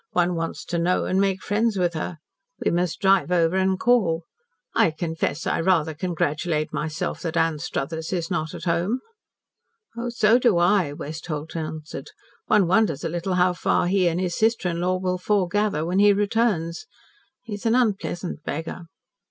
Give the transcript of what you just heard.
"One wants to know and make friends with her. We must drive over and call. I confess, I rather congratulate myself that Anstruthers is not at home." "So do I," Westholt answered. "One wonders a little how far he and his sister in law will 'foregather' when he returns. He's an unpleasant beggar."